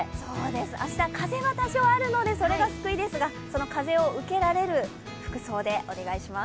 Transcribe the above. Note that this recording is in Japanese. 明日、風は多少あるのでそれが救いですがその風を受けられる服装でお願いします。